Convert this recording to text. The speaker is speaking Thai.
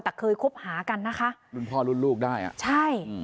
แต่เคยคบหากันนะคะรุ่นพ่อรุ่นลูกได้อ่ะใช่อืม